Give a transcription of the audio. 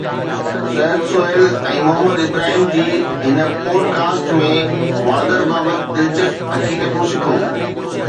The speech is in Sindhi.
سعد سهيل ۽ محمد ابراهيم جي هن پوڊ ڪاسٽ ۾ وادر بابت دلچسپ حقيقتون سکو